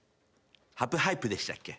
ハプハイプでしたっけ？